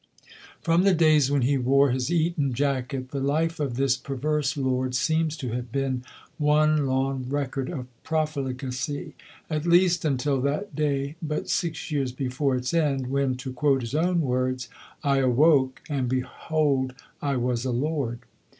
From the days when he wore his Eton jacket the life of this perverse lord seems to have been one long record of profligacy; at least, until that day, but six years before its end, when, to quote his own words, "I awoke, and behold I was a lord!"